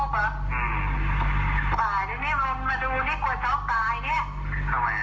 ป่ะนี่เรามาดูนี่กว่าชอบตายเนี่ย